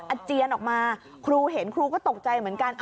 เจียนออกมาครูเห็นครูก็ตกใจเหมือนกัน